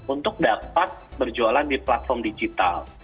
untuk dapat berjualan di platform digital